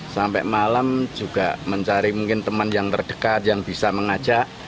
sampai malam juga mencari mungkin teman yang terdekat yang bisa mengajak